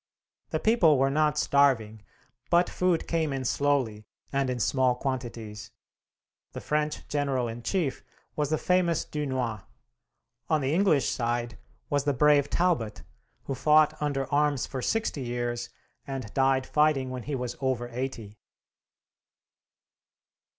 The people were not starving, but food came in slowly, and in small quantities. The French general in chief was the famous Dunois. On the English side was the brave Talbot, who fought under arms for sixty years, and died fighting when he was over eighty.